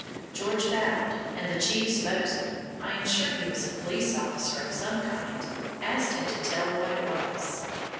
George bowed, and the chief spokesman I am sure he was a police officer of some kind asked him to tell what it was.